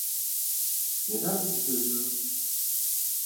Neden bunu söylüyorsun?